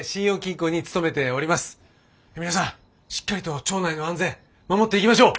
皆さんしっかりと町内の安全守っていきましょう！